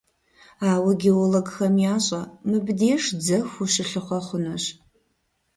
Ауэ геологхэм ящӀэ: мыбдеж дзэху ущылъыхъуэ хъунущ.